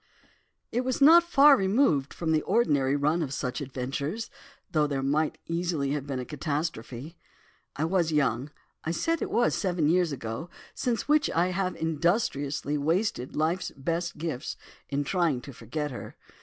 "It was not far removed from the ordinary run of such adventures, though there might easily have been a catastrophe. I was young, I said it was seven years ago, since which I have industriously wasted life's best gifts, in trying to forget her.